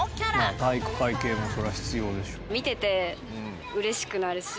まあ体育会系もそりゃ必要でしょ。